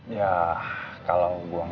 ya kalau gue gak datang